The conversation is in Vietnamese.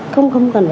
không không cần